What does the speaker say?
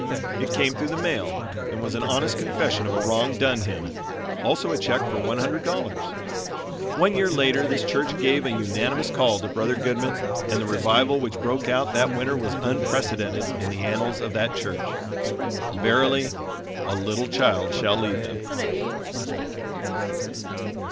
It came through the mail and was an honest confession of a wrong done him, also a check for one hundred dollars. One year later this church gave a unanimous call to Brother Goodman and the revival which broke out that winter was unprecedented in the annals of that church. Verily, "A little child shall lead them."